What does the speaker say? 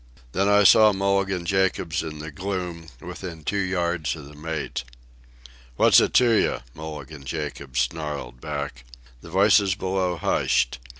Then I saw Mulligan Jacobs in the gloom, within two yards of the mate. "What's it to you?" Mulligan Jacobs snarled back. The voices below hushed.